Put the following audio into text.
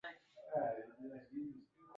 Rais wa Jamhuri ya Watu wa China na mwenyekiti wa